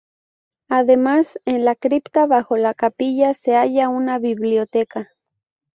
Además, en la cripta bajo la capilla se halla una biblioteca.